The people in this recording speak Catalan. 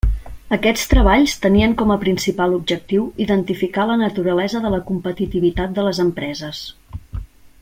Aquests treballs tenien com a principal objectiu identificar la naturalesa de la competitivitat de les empreses.